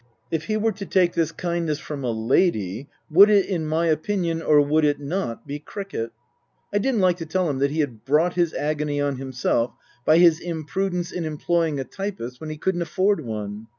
If he were to take this kindness from a lady would it, in my opinion, or would it not, be cricket ? I didn't like to tell him that he had brought his agony on himself by his imprudence in employing a typist when he couldn't afford one.